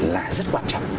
là rất quan trọng